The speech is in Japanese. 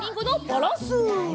バランス。